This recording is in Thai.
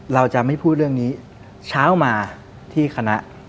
เราจะไม่พูดเรื่องนี้เช้ามาที่คณะ